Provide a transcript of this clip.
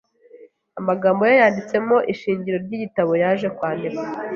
Amagambo ye yanditsemo ishingiro ry'igitabo yaje kwandika.